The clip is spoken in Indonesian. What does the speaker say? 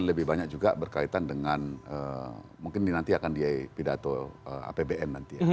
dan lebih banyak juga berkaitan dengan mungkin nanti akan di pidato apbn nanti ya